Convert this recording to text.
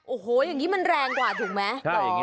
โอ้โหอย่างนี้มันแรงกว่าถูกไหม